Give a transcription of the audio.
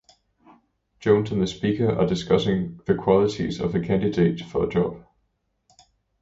Jones and the speaker are discussing the qualities of the candidates for a job.